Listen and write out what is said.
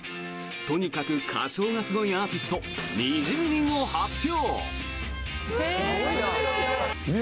とにかく歌唱がスゴいアーティスト２０人を発表。